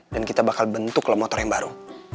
dan kita bakal bentuk lo motor yang baru